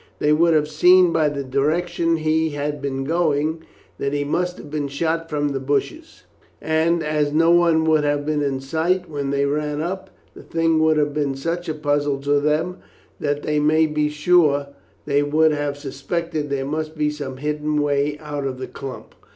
They would have seen by the direction he had been going, that he must have been shot from the bushes, and as no one would have been in sight when they ran up, the thing would have been such a puzzle to them that you may be sure they would have suspected there must be some hidden way out of the clump.